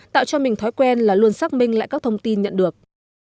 tạo cho mình thói quen là luôn xác minh lại các thông tin nhận được